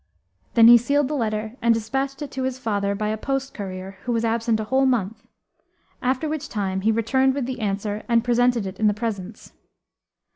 Then he sealed the letter and despatched it to his father by a post courier who was absent a whole month, after which time he returned with the answer and presented it in the presence.